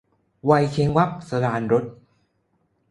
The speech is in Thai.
วัยเช้งวับ - สราญรส